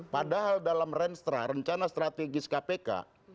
padahal dalam renstra rencana strategis kpk